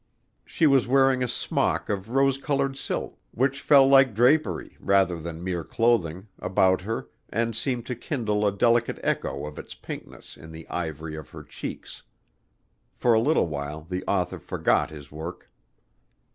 She was wearing a smock of rose colored silk which fell like drapery, rather than mere clothing, about her and seemed to kindle a delicate echo of its pinkness in the ivory of her cheeks. For a little while the author forgot his work.